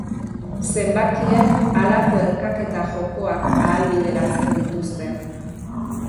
Zenbakiek halako erkaketa jokoak ahalbidetzen dituzte.